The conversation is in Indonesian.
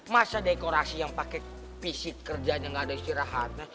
masa dekorasi yang pake pc kerjanya gak ada istirahatnya